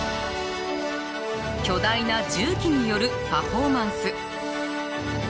巨大な重機によるパフォーマンス。